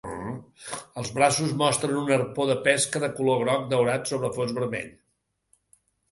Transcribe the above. Els braços mostren un arpó de pesca de color groc daurat sobre un fons vermell.